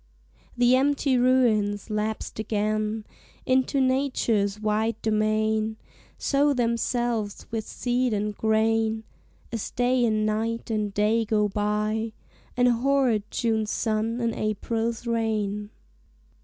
The empty ruins, lapsed again Into Nature's wide domain, Sow themselves with seed and grain As Day and Night and Day go by; And hoard June's sun and April's rain.